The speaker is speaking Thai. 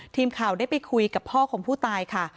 ทีมข่าวได้ไปคุยกับพ่อของผู้ตายค่ะ